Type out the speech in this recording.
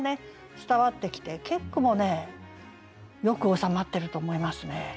伝わってきて結句もねよく収まってると思いますね。